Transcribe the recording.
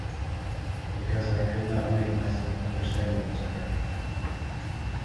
Because I could not make myself understandable to her.